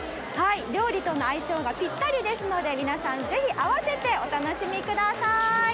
料理との相性がぴったりですので皆さん、ぜひ併せてお楽しみください。